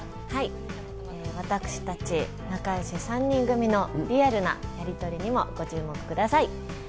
私たち、仲よし３人組のリアルなやり取りにもご注目ください。